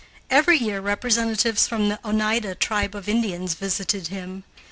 Every year representatives from the Oneida tribe of Indians visited him.